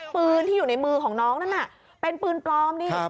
ปืนที่อยู่ในมือของน้องนั่นน่ะเป็นปืนปลอมนี่